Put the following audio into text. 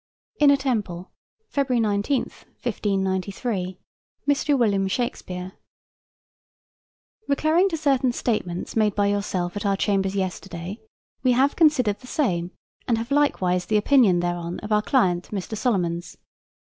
Inner Temple, Feb. 19, 1593. Mr. William Shakespeare: Recurring to certain statements made by yourself at our chambers yesterday, we have considered the same, and have likewise the opinion thereon of our client, Mr. Solomons.